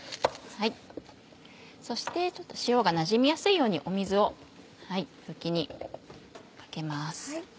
そしてちょっと塩がなじみやすいように水をふきにかけます。